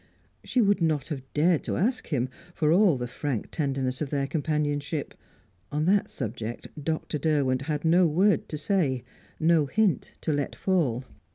She would not have dared to ask him, for all the frank tenderness of their companionship. On that subject Dr. Derwent had no word to say, no hint to let fall.